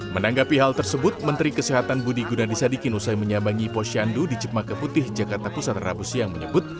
menanggapi hal tersebut menteri kesehatan budi gunadisadikin usai menyambangi posyandu di cipmaka putih jakarta pusat rabu siang menyebut